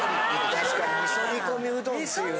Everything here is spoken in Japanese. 確かに味噌煮込みうどんっていうね。